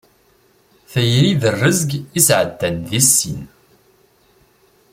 Tayri d rrezg i sɛeddan di sin.